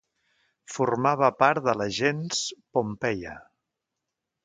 Formava part de la gens Pompeia.